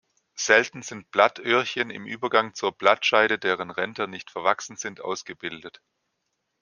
Selten sind Blattöhrchen im Übergang zur Blattscheide, deren Ränder nicht verwachsen sind, ausgebildet.